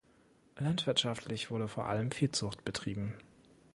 Landwirtschaftlich wurde vor allem Viehzucht betrieben.